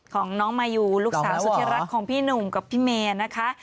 ของน้องมายูลูกสาวสุธิรักของพี่หนุ่มกับพี่เมย์นะคะ